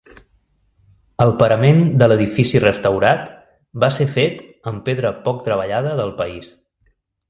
El parament de l'edifici restaurat va ser fet amb pedra poc treballada del país.